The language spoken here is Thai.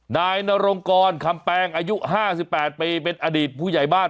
นายนรงกรคำแปงอายุ๕๘ปีเป็นอดีตผู้ใหญ่บ้าน